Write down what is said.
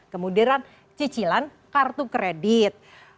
kemudian cicilan kartu kredit